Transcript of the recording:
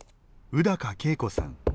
宇高景子さん。